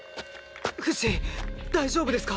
フシ大丈夫ですか？